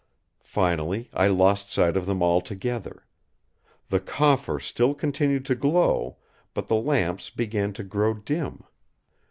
Finally I lost sight of them altogether. The coffer still continued to glow; but the lamps began to grow dim.